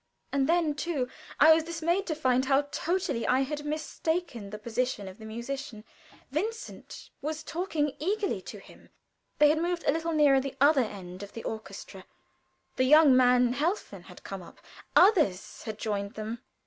And then, too, I was dismayed to find how totally I had mistaken the position of the musician. Vincent was talking eagerly to him. They had moved a little nearer the other end of the orchestra. The young man, Helfen, had come up, others had joined them.